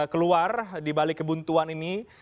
keluar di balik kebuntuan ini